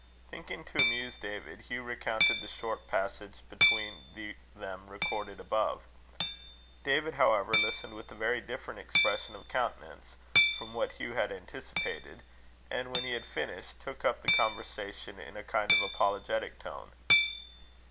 Thinking to amuse David, Hugh recounted the short passage between them recorded above. David, however, listened with a very different expression of countenance from what Hugh had anticipated; and, when he had finished, took up the conversation in a kind of apologetic tone.